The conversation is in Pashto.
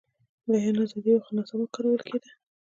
بیان ازادي وه، خو ناسمه کارول کېده.